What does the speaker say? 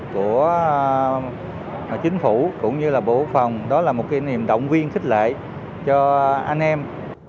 của chính phủ cũng như là bộ phòng đó là một niềm động viên khích lệ cho anh em